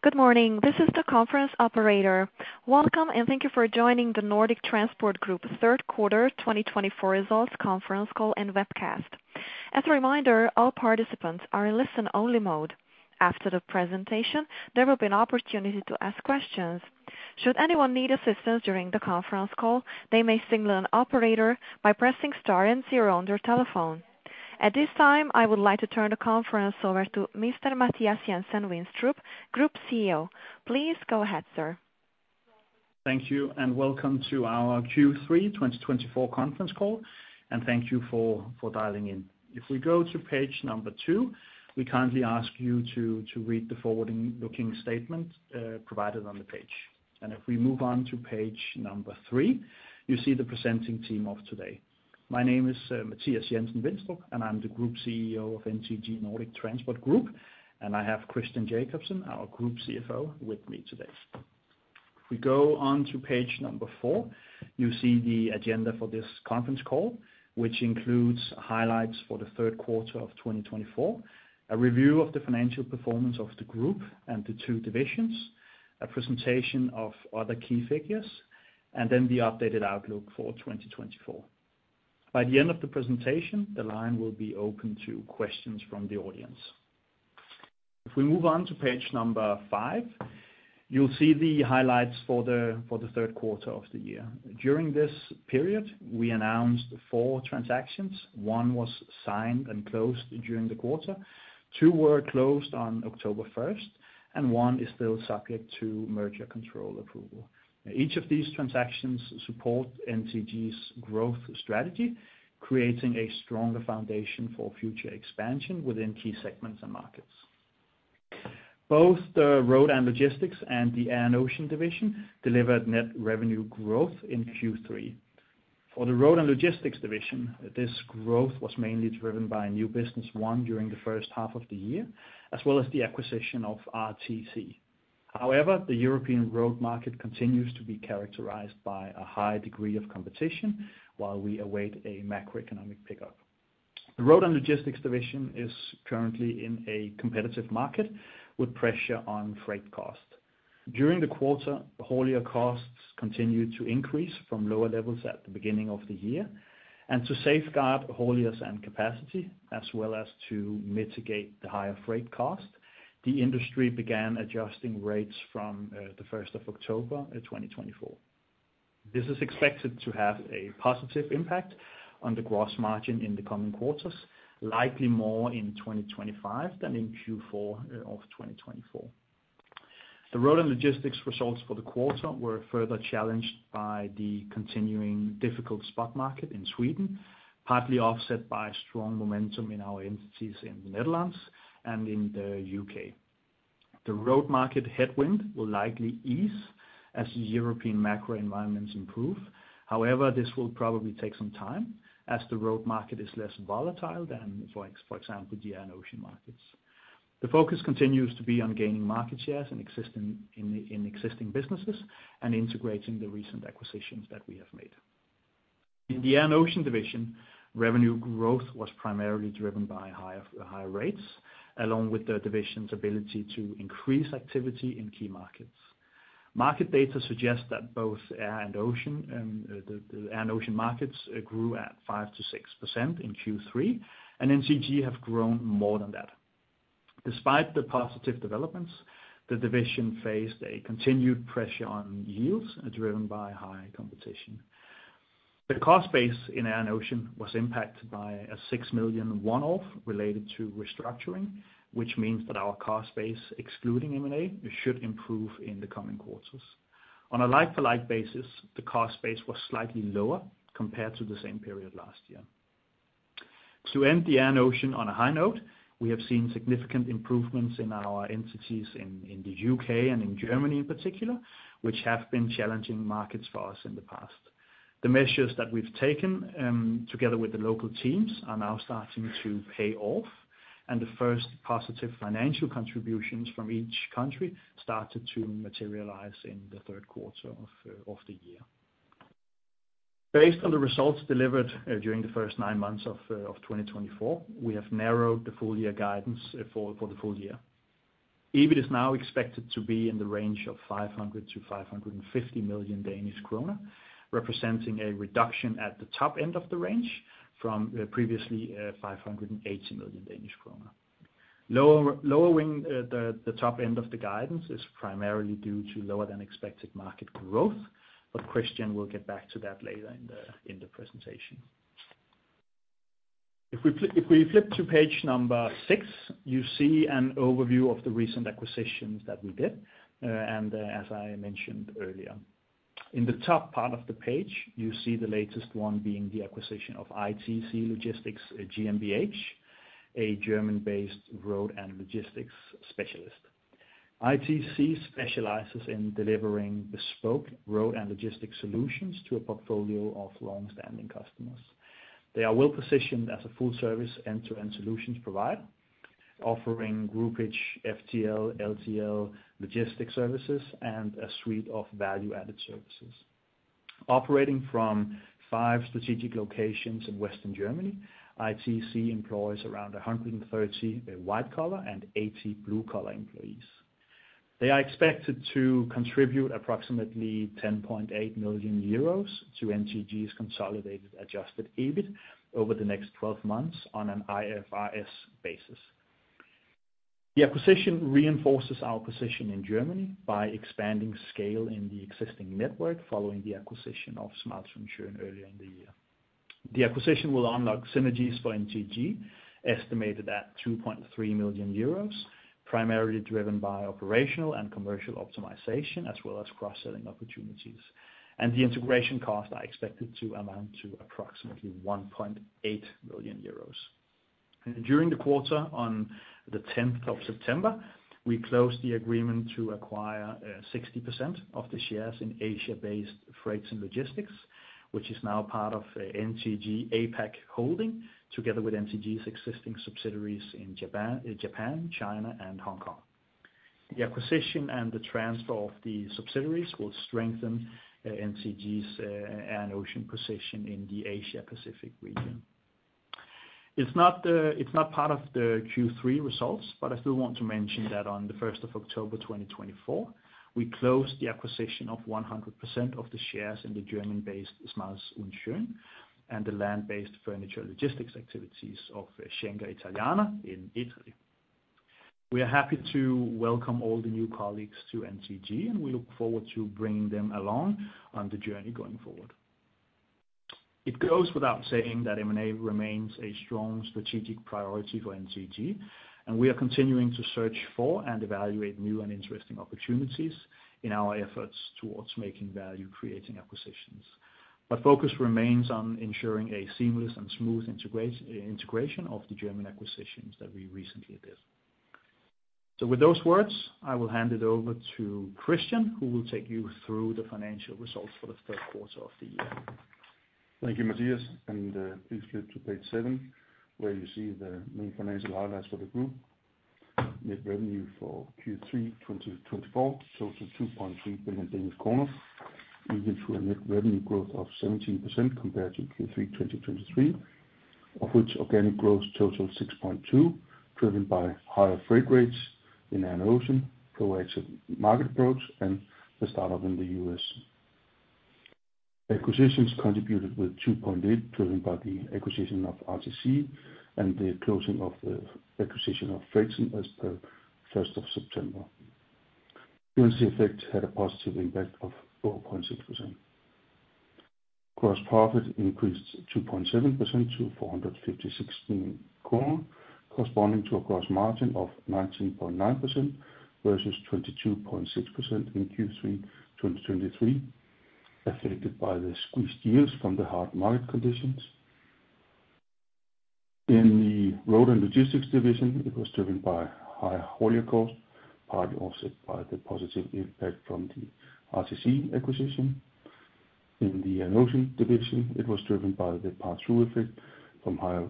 Good morning. This is the conference operator. Welcome, and thank you for joining the Nordic Transport Group's third quarter 2024 results conference call and webcast. As a reminder, all participants are in listen-only mode. After the presentation, there will be an opportunity to ask questions. Should anyone need assistance during the conference call, they may signal an operator by pressing star and zero on their telephone. At this time, I would like to turn the conference over to Mr. Mathias Jensen-Vinstrup, Group CEO. Please go ahead, sir. Thank you, and welcome to our Q3 2024 conference call, and thank you for dialing in. If we go to page number two, we kindly ask you to read the forward-looking statement provided on the page. If we move on to page number three, you see the presenting team of today. My name is Mathias Jensen-Vinstrup, and I'm the Group CEO of NTG Nordic Transport Group, and I have Christian Jakobsen, our Group CFO, with me today. If we go on to page number four, you see the agenda for this conference call, which includes highlights for the third quarter of 2024, a review of the financial performance of the group and the two divisions, a presentation of other key figures, and then the updated outlook for 2024. By the end of the presentation, the line will be open to questions from the audience. If we move on to page number five, you'll see the highlights for the third quarter of the year. During this period, we announced four transactions. One was signed and closed during the quarter. Two were closed on October 1st, and one is still subject to merger control approval. Each of these transactions supports NTG's growth strategy, creating a stronger foundation for future expansion within key segments and markets. Both the Road and Logistics and the Air and Ocean Division delivered net revenue growth in Q3. For the Road and Logistics Division, this growth was mainly driven by new business won during the first half of the year, as well as the acquisition of RTC. However, the European road market continues to be characterized by a high degree of competition while we await a macroeconomic pickup. The Road and Logistics Division is currently in a competitive market with pressure on freight costs. During the quarter, haulier costs continued to increase from lower levels at the beginning of the year, and to safeguard haulers and capacity, as well as to mitigate the higher freight cost, the industry began adjusting rates from the 1st of October 2024. This is expected to have a positive impact on the gross margin in the coming quarters, likely more in 2025 than in Q4 of 2024. The Road and Logistics results for the quarter were further challenged by the continuing difficult spot market in Sweden, partly offset by strong momentum in our entities in the Netherlands and in the U.K. The road market headwind will likely ease as the European macro environments improve. However, this will probably take some time as the road market is less volatile than, for example, the air and ocean markets. The focus continues to be on gaining market shares in existing businesses and integrating the recent acquisitions that we have made. In the Air and Ocean Division, revenue growth was primarily driven by higher rates, along with the division's ability to increase activity in key markets. Market data suggests that both air and ocean markets grew at 5%-6% in Q3, and NTG have grown more than that. Despite the positive developments, the division faced a continued pressure on yields driven by high competition. The cost base in air and ocean was impacted by a 6 million one-off related to restructuring, which means that our cost base, excluding M&A, should improve in the coming quarters. On a like-for-like basis, the cost base was slightly lower compared to the same period last year. To end the air and ocean on a high note, we have seen significant improvements in our entities in the U.K. and in Germany in particular, which have been challenging markets for us in the past. The measures that we've taken together with the local teams are now starting to pay off, and the first positive financial contributions from each country started to materialize in the third quarter of the year. Based on the results delivered during the first nine months of 2024, we have narrowed the full-year guidance for the full year. EBIT is now expected to be in the range of 500 million-550 million Danish kroner, representing a reduction at the top end of the range from previously 580 million Danish kroner. Lowering the top end of the guidance is primarily due to lower-than-expected market growth, but Christian will get back to that later in the presentation. If we flip to page number six, you see an overview of the recent acquisitions that we did, and as I mentioned earlier, in the top part of the page, you see the latest one being the acquisition of ITC Logistics GmbH, a German-based road and logistics specialist. ITC specializes in delivering bespoke road and logistics solutions to a portfolio of long-standing customers. They are well-positioned as a full-service end-to-end solutions provider, offering groupage, FTL, LTL, logistics services, and a suite of value-added services. Operating from five strategic locations in Western Germany, ITC employs around 130 white-collar and 80 blue-collar employees. They are expected to contribute approximately 10.8 million euros to NTG's consolidated adjusted EBIT over the next 12 months on an IFRS basis. The acquisition reinforces our position in Germany by expanding scale in the existing network following the acquisition of SCHMALZ+SCHÖN earlier in the year. The acquisition will unlock synergies for NTG, estimated at 2.3 million euros, primarily driven by operational and commercial optimization, as well as cross-selling opportunities, and the integration costs are expected to amount to approximately 1.8 million euros. During the quarter on the 10th of September, we closed the agreement to acquire 60% of the shares in Asia-based Freight & Logistics, which is now part of NTG APAC Holding, together with NTG's existing subsidiaries in Japan, China, and Hong Kong. The acquisition and the transfer of the subsidiaries will strengthen NTG's Air and Ocean position in the Asia-Pacific region. It's not part of the Q3 results, but I still want to mention that on the 1st of October 2024, we closed the acquisition of 100% of the shares in the German-based SCHMALZ+SCHÖN and the land-based furniture logistics activities of Schenker Italiana in Italy. We are happy to welcome all the new colleagues to NTG, and we look forward to bringing them along on the journey going forward. It goes without saying that M&A remains a strong strategic priority for NTG, and we are continuing to search for and evaluate new and interesting opportunities in our efforts towards making value-creating acquisitions. But focus remains on ensuring a seamless and smooth integration of the German acquisitions that we recently did. So with those words, I will hand it over to Christian, who will take you through the financial results for the third quarter of the year. Thank you, Mathias. Please flip to page seven, where you see the main financial highlights for the group. Net revenue for Q3 2024 totaled 2.3 billion Danish kroner, leading to a net revenue growth of 17% compared to Q3 2023, of which organic growth totaled 6.2%, driven by higher freight rates in air and ocean, proactive market approach, and the startup in the U.S. Acquisitions contributed with 2.8%, driven by the acquisition of RTC and the closing of the acquisition of Freight & Logistics as per 1st of September. Currency effect had a positive impact of 4.6%. Gross profit increased 2.7% to 456 million, corresponding to a gross margin of 19.9% versus 22.6% in Q3 2023, affected by the squeezed yields from the hard market conditions. In the Road and Logistics Division, it was driven by higher haulier costs, partly offset by the positive impact from the RTC acquisition. In the Air and Ocean Division, it was driven by the pass-through effect from higher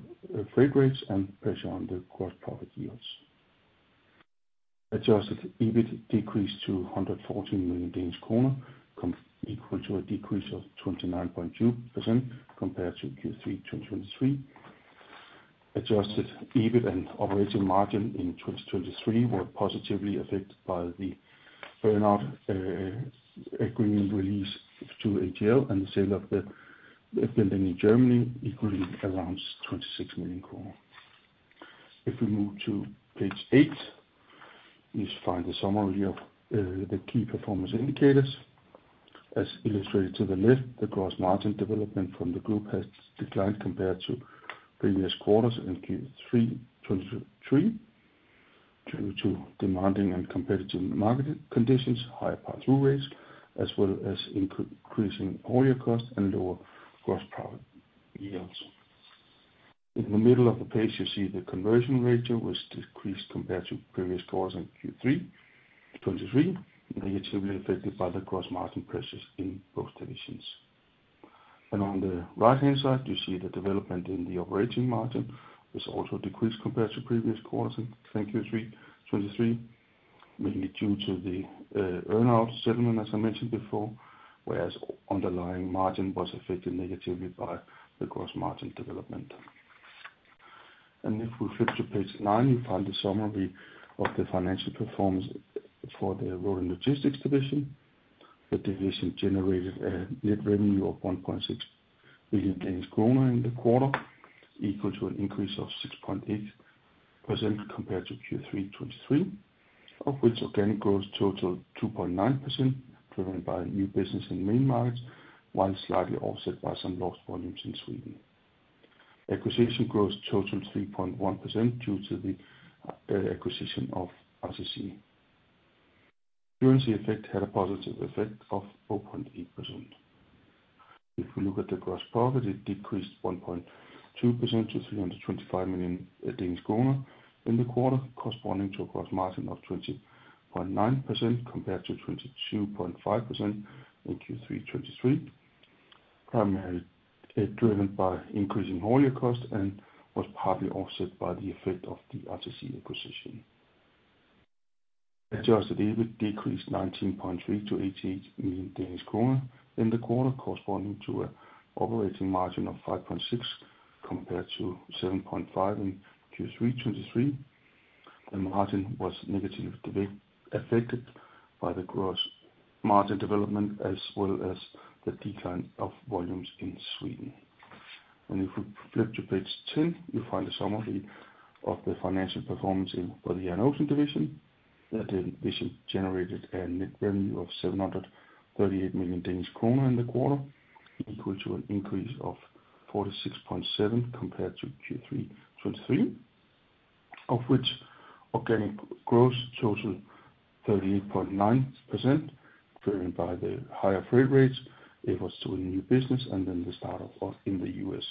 freight rates and pressure on the gross profit yields. Adjusted EBIT decreased to 114 million Danish kroner, equal to a decrease of 29.2% compared to Q3 2023. Adjusted EBIT and operating margin in 2023 were positively affected by the earnout agreement release to AGL and the sale of the building in Germany, including around 26 million. If we move to page eight, you find the summary of the key performance indicators. As illustrated to the left, the gross margin development from the group has declined compared to previous quarters in Q3 2023 due to demanding and competitive market conditions, higher pass-through rates, as well as increasing haulier costs and lower gross profit yields. In the middle of the page, you see the conversion ratio, which decreased compared to previous quarters in Q3 2023, negatively affected by the gross margin pressures in both divisions. On the right-hand side, you see the development in the operating margin, which also decreased compared to previous quarters in Q3 2023, mainly due to the earnout settlement, as I mentioned before, whereas underlying margin was affected negatively by the gross margin development. If we flip to page nine, you find the summary of the financial performance for the Road and Logistics Division. The division generated a net revenue of 1.6 billion in the quarter, equal to an increase of 6.8% compared to Q3 2023, of which organic growth totaled 2.9%, driven by new business in main markets, while slightly offset by some lost volumes in Sweden. Acquisition growth totaled 3.1% due to the acquisition of RTC. Currency effect had a positive effect of 4.8%. If we look at the gross profit, it decreased 1.2% to 325 million Danish kroner in the quarter, corresponding to a gross margin of 20.9% compared to 22.5% in Q3 2023, primarily driven by increasing haulier costs and was partly offset by the effect of the RTC acquisition. Adjusted EBIT decreased 19.3% to 88 million Danish kroner in the quarter, corresponding to an operating margin of 5.6% compared to 7.5% in Q3 2023. The margin was negatively affected by the gross margin development, as well as the decline of volumes in Sweden. If we flip to page 10, you find the summary of the financial performance for the Air and Ocean Division. The division generated a net revenue of 738 million Danish kroner in the quarter, equal to an increase of 46.7% compared to Q3 2023, of which organic growth totaled 38.9%, driven by the higher freight rates, efforts to win new business, and then the startup in the U.S.,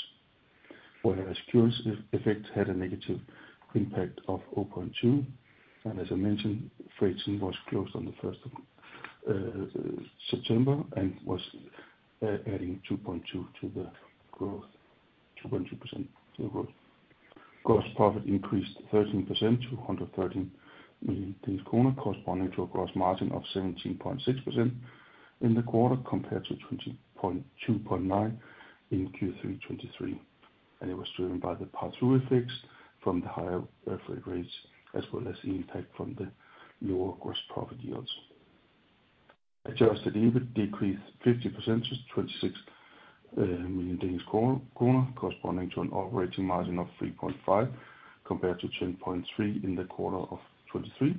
whereas currency effect had a negative impact of 0.2. As I mentioned, Freight & Logistics was closed on the 1st of September and was adding 2.2% to the gross. Gross profit increased 13% to 113 million kroner, corresponding to a gross margin of 17.6% in the quarter compared to 20.9% in Q3 2023. It was driven by the pass-through effects from the higher freight rates, as well as the impact from the lower gross profit yields. Adjusted EBIT decreased 50% to 26 million Danish kroner, corresponding to an operating margin of 3.5 compared to 10.3 in the quarter of 2023.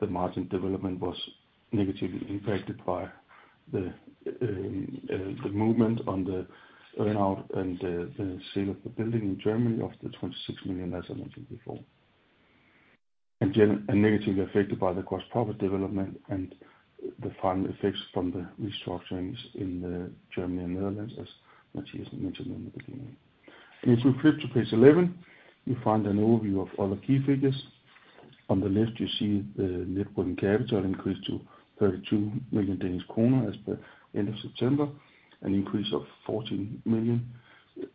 The margin development was negatively impacted by the movement on the earnout and the sale of the building in Germany of the 26 million, as I mentioned before, and negatively affected by the gross profit development and the final effects from the restructurings in Germany and Netherlands, as Mathias mentioned in the beginning. If we flip to page 11, you find an overview of other key figures. On the left, you see the net working capital increase to 32 million Danish kroner at the end of September, an increase of 14 million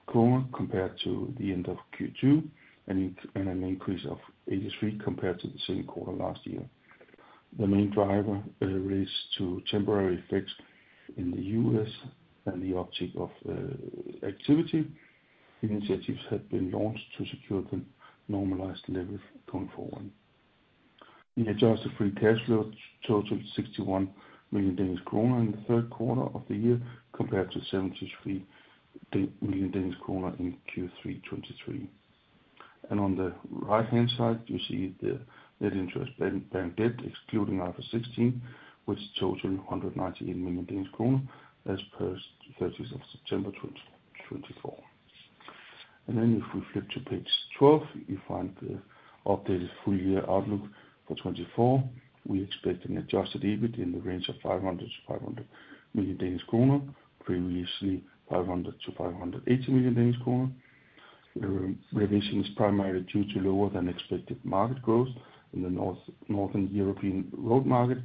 kroner compared to the end of Q2, and an increase of 83 million compared to the same quarter last year. The main driver was due to temporary effects in the U.S. and the uptick in activity. Initiatives had been launched to secure the normalized leverage going forward. The adjusted free cash flow totaled 61 million Danish kroner in the third quarter of the year compared to 73 million Danish kroner in Q3 2023. On the right-hand side, you see the net interest-bearing debt, excluding IFRS 16, which totaled 198 million Danish kroner as per 30th of September 2024, and then if we flip to page 12, you find the updated full-year outlook for 2024. We expect an Adjusted EBIT in the range of 500 million-500 million Danish kroner, previously 500 million-580 million Danish kroner. Revision is primarily due to lower-than-expected market growth in the Northern European road market.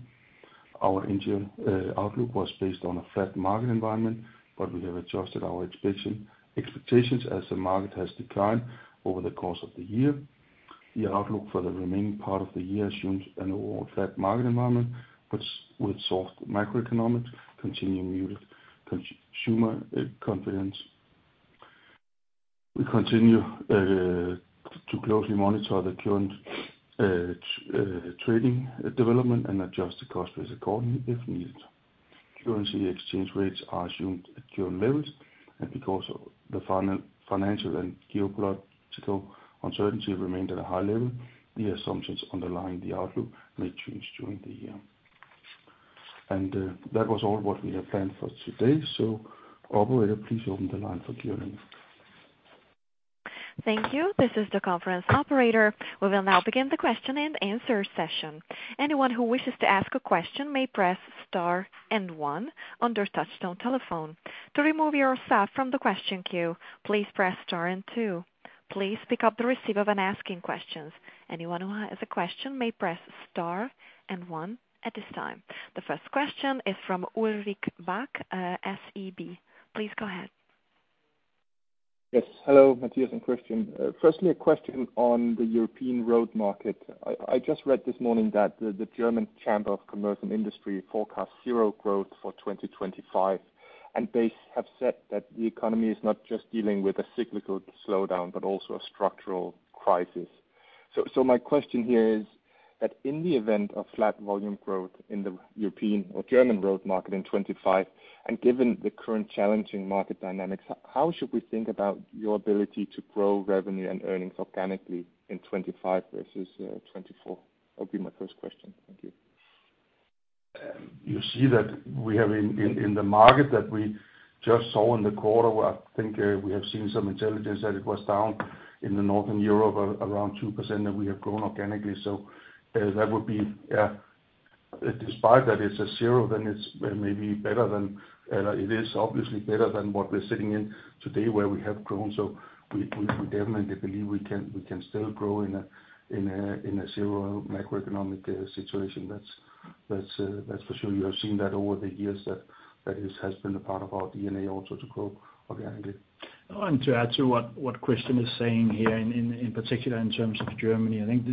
Our outlook was based on a flat market environment, but we have adjusted our expectations as the market has declined over the course of the year. The outlook for the remaining part of the year assumes an overall flat market environment, but with soft macroeconomics, continued consumer confidence. We continue to closely monitor the current trading development and adjust the cost basis accordingly if needed. Currency exchange rates are assumed at current levels, and because the financial and geopolitical uncertainty remained at a high level, the assumptions underlying the outlook may change during the year. And that was all what we had planned for today. So, operator, please open the line for Q&A. Thank you. This is the conference operator. We will now begin the question and answer session. Anyone who wishes to ask a question may press star and one under touch-tone telephone. To remove yourself from the question queue, please press star and two. Please pick up the receiver when asking questions. Anyone who has a question may press star and one at this time. The first question is from Ulrik Bak, SEB. Please go ahead. Yes. Hello, Mathias and Christian. Firstly, a question on the European road market. I just read this morning that the German Chamber of Commerce and Industry forecasts zero growth for 2025, and they have said that the economy is not just dealing with a cyclical slowdown, but also a structural crisis. So my question here is that in the event of flat volume growth in the European or German road market in 2025, and given the current challenging market dynamics, how should we think about your ability to grow revenue and earnings organically in 2025 versus 2024? That would be my first question. Thank you. You see that we have in the market that we just saw in the quarter. I think we have seen some intelligence that it was down in Northern Europe around 2%, and we have grown organically. So that would be, despite that it's a zero, then it's maybe better than it is, obviously better than what we're sitting in today where we have grown. So we definitely believe we can still grow in a zero macroeconomic situation. That's for sure. You have seen that over the years that it has been a part of our DNA also to grow organically. To add to what Christian is saying here, in particular in terms of Germany, I think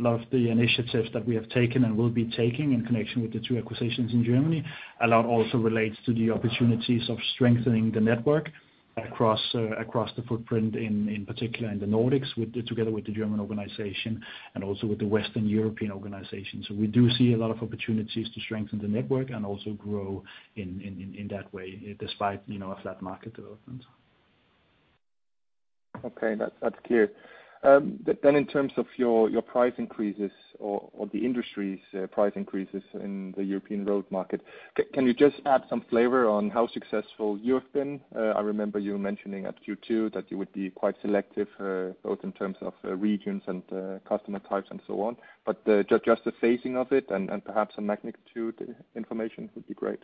a lot of the initiatives that we have taken and will be taking in connection with the two acquisitions in Germany, a lot also relates to the opportunities of strengthening the network across the footprint, in particular in the Nordics, together with the German organization and also with the Western European organizations. So we do see a lot of opportunities to strengthen the network and also grow in that way, despite a flat market development. Okay. That's clear, then in terms of your price increases or the industry's price increases in the European road market, can you just add some flavor on how successful you have been? I remember you mentioning at Q2 that you would be quite selective, both in terms of regions and customer types and so on, but just the phasing of it and perhaps some magnitude information would be great.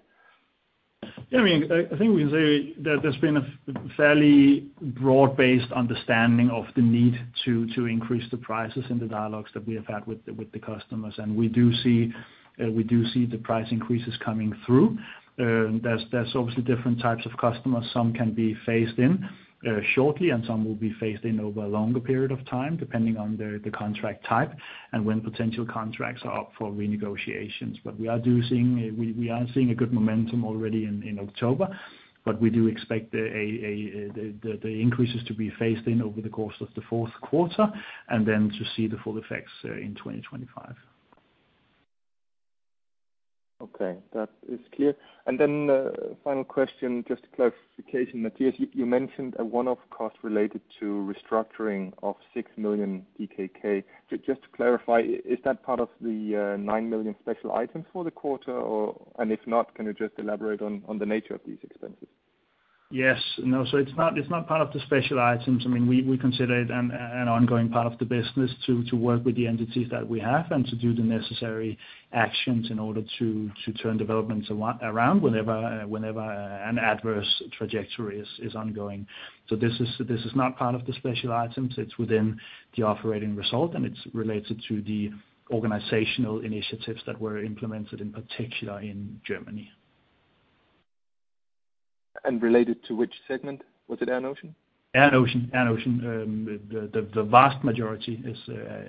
Yeah. I mean, I think we can say that there's been a fairly broad-based understanding of the need to increase the prices in the dialogues that we have had with the customers. And we do see the price increases coming through. There's obviously different types of customers. Some can be phased in shortly, and some will be phased in over a longer period of time, depending on the contract type and when potential contracts are up for renegotiations. But we are seeing a good momentum already in October, but we do expect the increases to be phased in over the course of the fourth quarter and then to see the full effects in 2025. Okay. That is clear. And then final question, just a clarification. Mathias, you mentioned a one-off cost related to restructuring of 6 million. Just to clarify, is that part of the 9 million special items for the quarter? And if not, can you just elaborate on the nature of these expenses? Yes. No. So it's not part of the special items. I mean, we consider it an ongoing part of the business to work with the entities that we have and to do the necessary actions in order to turn developments around whenever an adverse trajectory is ongoing. So this is not part of the special items. It's within the operating result, and it's related to the organizational initiatives that were implemented, in particular in Germany. Related to which segment? Was it Air and Ocean? Air and Ocean. The vast majority is,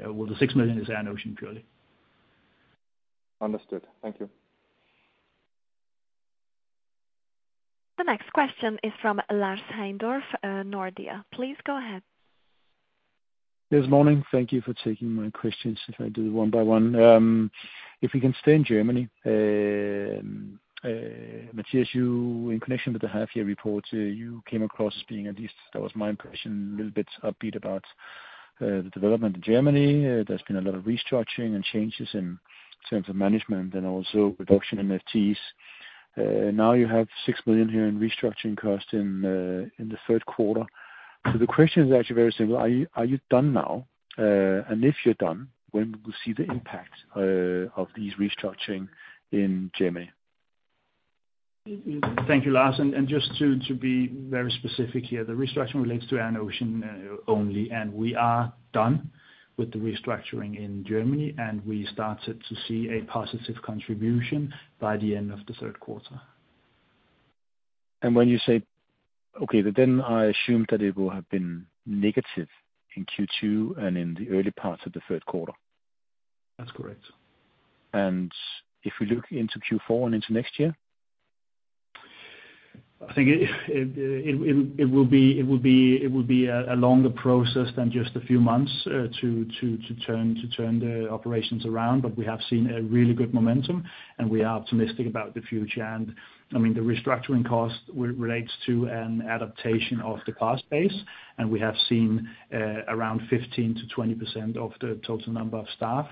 well, the 6 million is Air and Ocean purely. Understood. Thank you. The next question is from Lars Heindorff, Nordea. Please go ahead. Good morning. Thank you for taking my questions if I do one by one. If we can stay in Germany. Mathias, in connection with the half-year report, you came across as being at least, that was my impression, a little bit upbeat about the development in Germany. There's been a lot of restructuring and changes in terms of management and also reduction in FTs. Now you have 6 million here in restructuring cost in the third quarter. So the question is actually very simple. Are you done now? And if you're done, when will we see the impact of these restructuring in Germany? Thank you, Lars. And just to be very specific here, the restructuring relates to Air and Ocean only, and we are done with the restructuring in Germany, and we started to see a positive contribution by the end of the third quarter. When you say, "Okay," then I assume that it will have been negative in Q2 and in the early parts of the third quarter. That's correct. If we look into Q4 and into next year? I think it will be a longer process than just a few months to turn the operations around, but we have seen a really good momentum, and we are optimistic about the future. And I mean, the restructuring cost relates to an adaptation of the cost base, and we have seen around 15%-20% of the total number of staff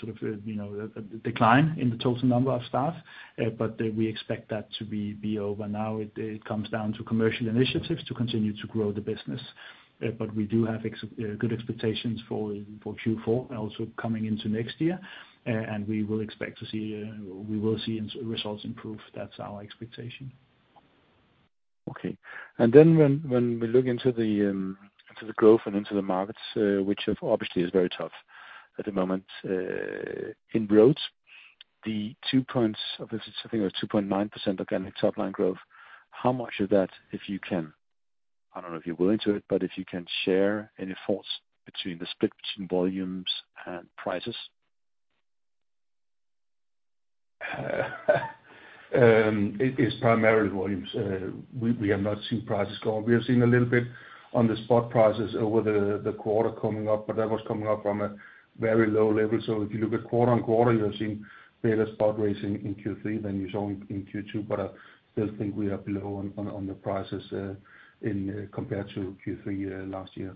sort of decline in the total number of staff, but we expect that to be over. Now it comes down to commercial initiatives to continue to grow the business, but we do have good expectations for Q4 and also coming into next year, and we will expect to see results improve. That's our expectation. Okay. And then when we look into the growth and into the markets, which obviously is very tough at the moment in roads, the two points of, I think it was 2.9% organic top-line growth, how much of that, if you can, I don't know if you're willing to it, but if you can share any thoughts between the split between volumes and prices? It is primarily volumes. We have not seen prices go up. We have seen a little bit on the spot prices over the quarter coming up, but that was coming up from a very low level. So if you look at quarter on quarter, you have seen better spot rates in Q3 than you saw in Q2, but I still think we are below on the prices compared to Q3 last year.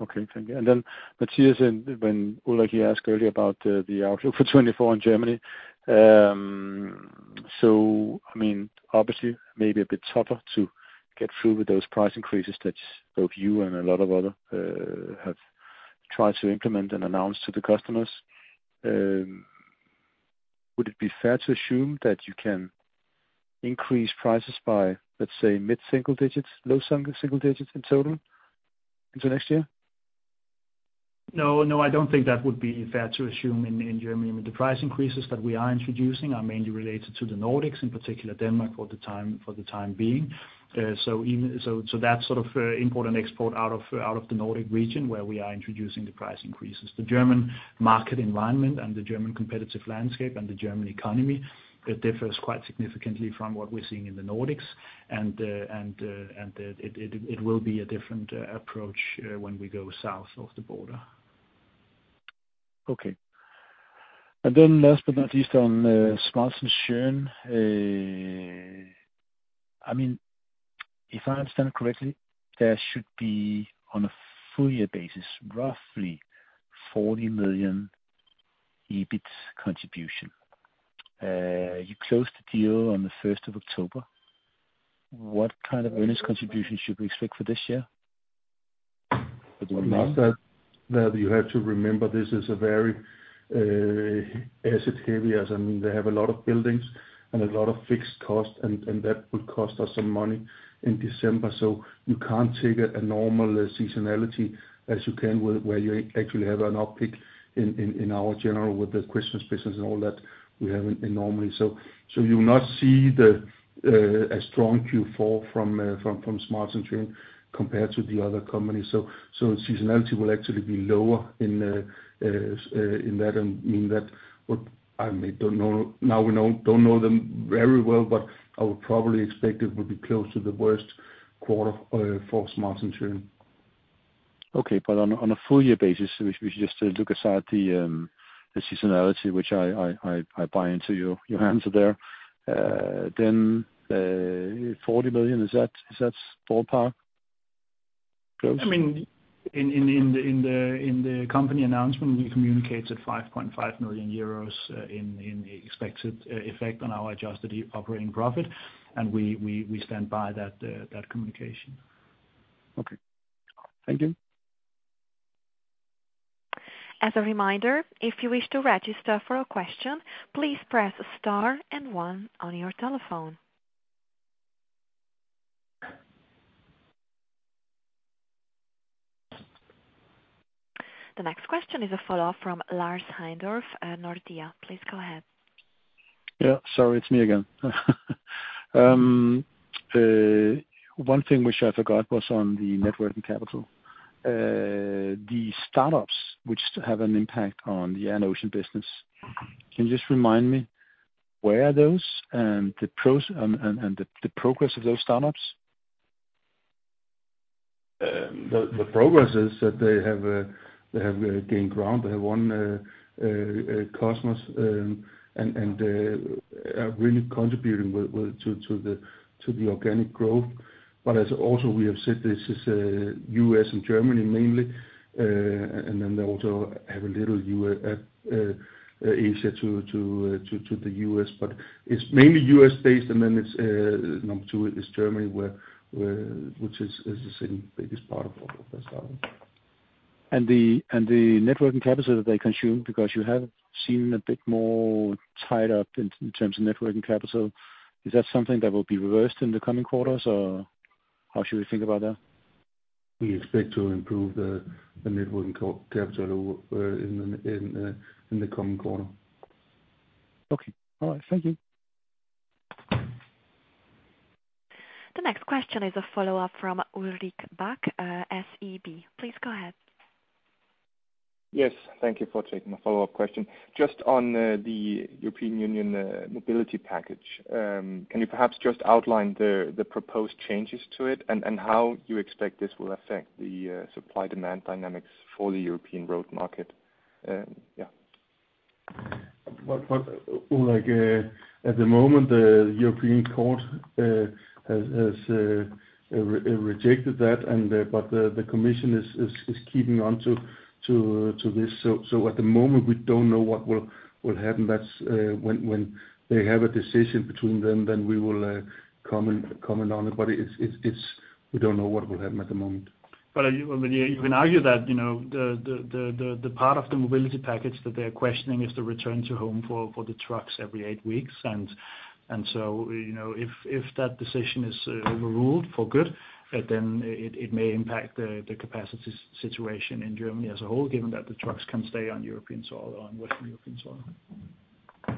Okay. Thank you. And then Mathias, when Ulrik, he asked earlier about the outlook for 2024 in Germany, so I mean, obviously, maybe a bit tougher to get through with those price increases that both you and a lot of others have tried to implement and announce to the customers. Would it be fair to assume that you can increase prices by, let's say, mid-single digits, low-single digits in total into next year? No. No, I don't think that would be fair to assume in Germany. I mean, the price increases that we are introducing are mainly related to the Nordics, in particular Denmark for the time being. So that sort of import and export out of the Nordic region where we are introducing the price increases. The German market environment and the German competitive landscape and the German economy differ quite significantly from what we're seeing in the Nordics, and it will be a different approach when we go south of the border. Okay. And then last but not least on SCHMALZ+SCHÖN, I mean, if I understand correctly, there should be, on a full-year basis, roughly 40 million EBIT contribution. You closed the deal on the 1st of October. What kind of earnings contribution should we expect for this year? That you have to remember, this is a very asset-heavy as they have a lot of buildings and a lot of fixed costs, and that would cost us some money in December. So you can't take a normal seasonality as you can where you actually have an uptick in our general with the Christmas business and all that we have in normally. So you will not see a strong Q4 from SCHMALZ+SCHÖN compared to the other companies. So seasonality will actually be lower in that and mean that, I mean, I don't know. Now we don't know them very well, but I would probably expect it would be close to the worst quarter for SCHMALZ+SCHÖN. Okay. But on a full-year basis, if we just look aside the seasonality, which I buy into your answer there, then 40 million, is that ballpark close? I mean, in the company announcement, we communicated 5.5 million euros in expected effect on our adjusted operating profit, and we stand by that communication. Okay. Thank you. As a reminder, if you wish to register for a question, please press Star and One on your telephone. The next question is a follow-up from Lars Heindorf, Nordea. Please go ahead. Yeah. Sorry, it's me again. One thing which I forgot was on the net working capital. The startups which have an impact on the Air and Ocean business, can you just remind me where are those and the progress of those startups? The progress is that they have gained ground. They have won Cosmos and are really contributing to the organic growth. But also we have said this is U.S. and Germany mainly, and then they also have a little Asia to the U.S., but it's mainly U.S.-based, and then number two is Germany, which is the second biggest part of the startup. The net working capital that they consume, because you have seen a bit more tied up in terms of net working capital, is that something that will be reversed in the coming quarters, or how should we think about that? We expect to improve the net working capital in the coming quarter. Okay. All right. Thank you. The next question is a follow-up from Ulrik Bak, SEB. Please go ahead. Yes. Thank you for taking my follow-up question. Just on the European Union Mobility Package, can you perhaps just outline the proposed changes to it and how you expect this will affect the supply-demand dynamics for the European road market? Yeah. Ulrik, at the moment, the European Court has rejected that, but the Commission is keeping on to this. So at the moment, we don't know what will happen. That's when they have a decision between them, then we will comment on it, but we don't know what will happen at the moment. But you can argue that the part of the Mobility Package that they are questioning is the return to home for the trucks every eight weeks. And so if that decision is overruled for good, then it may impact the capacity situation in Germany as a whole, given that the trucks can stay on European soil or on Western European soil.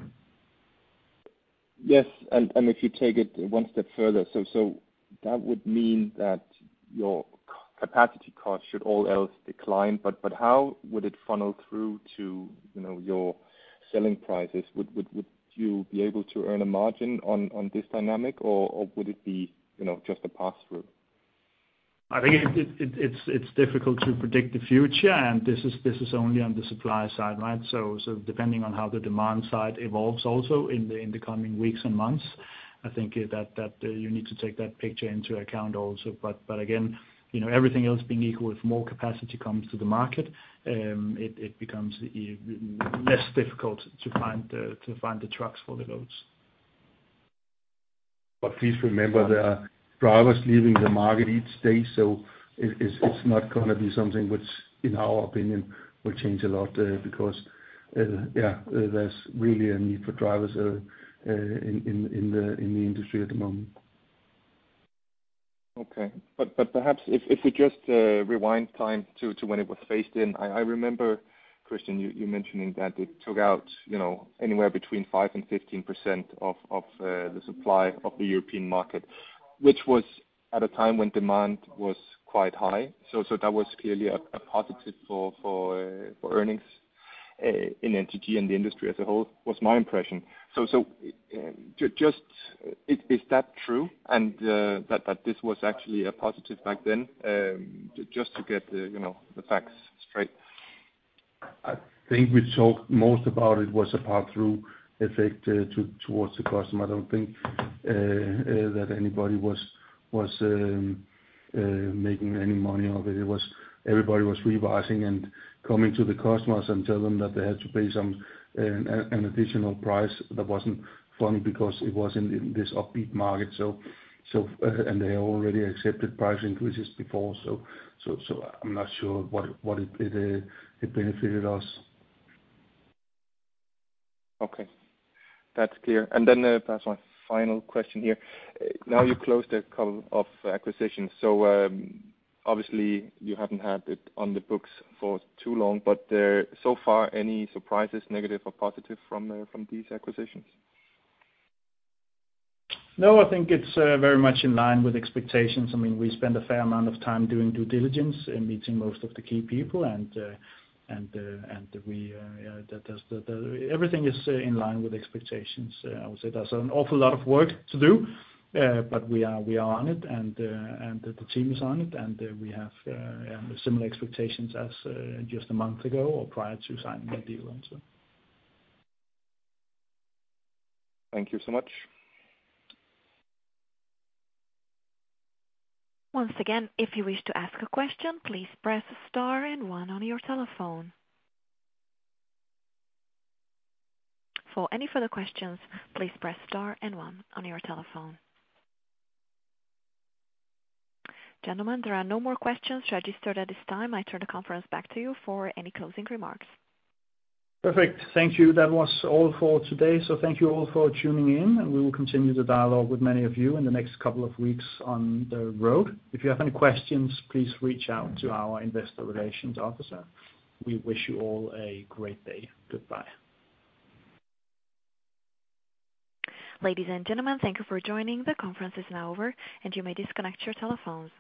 Yes. And if you take it one step further, so that would mean that your capacity cost should all else decline, but how would it funnel through to your selling prices? Would you be able to earn a margin on this dynamic, or would it be just a pass-through? I think it's difficult to predict the future, and this is only on the supply side, right? So depending on how the demand side evolves also in the coming weeks and months, I think that you need to take that picture into account also. But again, everything else being equal, if more capacity comes to the market, it becomes less difficult to find the trucks for the loads. But please remember, there are drivers leaving the market each day, so it's not going to be something which, in our opinion, will change a lot because, yeah, there's really a need for drivers in the industry at the moment. Okay. But perhaps if we just rewind time to when it was phased in, I remember, Christian, you mentioning that it took out anywhere between 5% and 15% of the supply of the European market, which was at a time when demand was quite high. So that was clearly a positive for earnings in entity and the industry as a whole, was my impression. So just is that true that this was actually a positive back then? Just to get the facts straight. I think we talked most about it was a pass-through effect towards the customer. I don't think that anybody was making any money of it. Everybody was revising and coming to the customers and telling them that they had to pay an additional price. That wasn't fun because it was in this upbeat market, and they already accepted price increases before. So I'm not sure what it benefited us. Okay. That's clear, and then perhaps my final question here. Now you closed a couple of acquisitions, so obviously, you haven't had it on the books for too long, but so far, any surprises, negative or positive, from these acquisitions? No. I think it's very much in line with expectations. I mean, we spend a fair amount of time doing due diligence and meeting most of the key people, and everything is in line with expectations. I would say there's an awful lot of work to do, but we are on it, and the team is on it, and we have similar expectations as just a month ago or prior to signing the deal, so. Thank you so much. Once again, if you wish to ask a question, please press star and one on your telephone. For any further questions, please press star and one on your telephone. Gentlemen, there are no more questions registered at this time. I turn the conference back to you for any closing remarks. Perfect. Thank you. That was all for today. So thank you all for tuning in, and we will continue the dialogue with many of you in the next couple of weeks on the road. If you have any questions, please reach out to our investor relations officer. We wish you all a great day. Goodbye. Ladies and gentlemen, thank you for joining. The conference is now over, and you may disconnect your telephones.